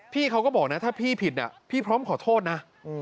พี่เขาก็บอกนะถ้าพี่ผิดพี่พร้อมขอโทษนะ